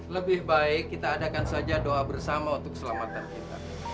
lebih baik kita adakan saja doa bersama untuk keselamatan kita